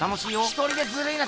一人でずるいな。